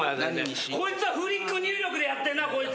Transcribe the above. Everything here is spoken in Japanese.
こいつはフリック入力でやってんな！